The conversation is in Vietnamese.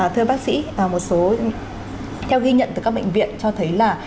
thưa bác sĩ một số theo ghi nhận từ các bệnh viện cho thấy là